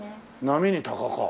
『波に鷹』か。